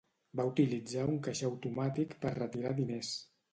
Va utilitzar un caixer automàtic per retirar diners.